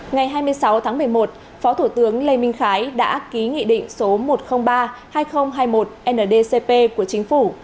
ngày hai mươi sáu tháng một mươi một phó thủ tướng lê minh khái đã ký nghị định số một trăm linh ba hai nghìn hai mươi một ndcp của chính phủ